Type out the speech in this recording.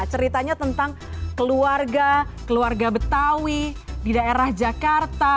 ceritanya tentang keluarga keluarga betawi di daerah jakarta